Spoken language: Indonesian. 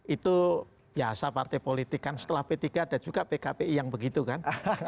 itu biasa partai politik kan setelah p tiga ada juga pkpi yang begitu kan